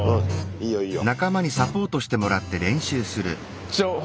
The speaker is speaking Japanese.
いいよいいよ。